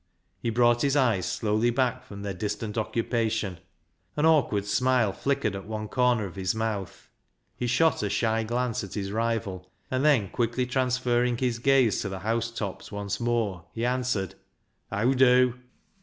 He brought his eyes slowly back from their distant occupation ; an awkward smile flickered at one corner of his mouth. He shot a shy glance at his rival, and then quickly transferring his gaze to the housetops once more, he answered —" Heaw dew